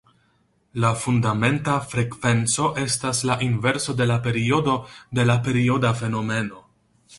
La fundamenta frekvenco estas la inverso de la periodo de la perioda fenomeno.